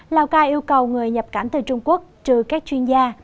lào cai yêu cầu người nhập cảnh từ trung quốc trừ các chuyên gia